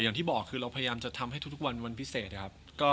อย่างที่บอกคือเราพยายามจะทำให้ทุกวันวันพิเศษครับ